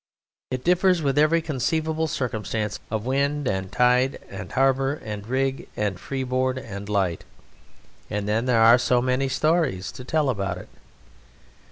It differs with every conceivable circumstance of wind, and tide, and harbour, and rig, and freeboard, and light; and then there are so many stories to tell about it!